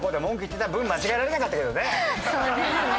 そうですね。